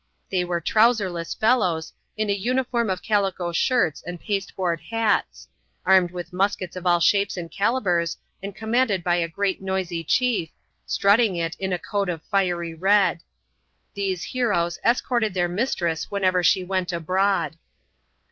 They were trowserless fellows, in a uniform of calico shirts and pasteboard hats ; armed with muskets of all shapes and calibres and commanded by a great noisy chief, strutting it in a coat of fiery red. These heroeff escorted their mistress whenever she went abroad.